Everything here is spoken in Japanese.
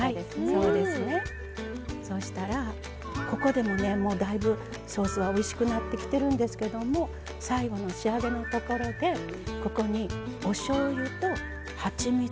そしたらここでもねもうだいぶソースはおいしくなってきてるんですけども最後の仕上げのところでここにおしょうゆとはちみつとお塩入れます。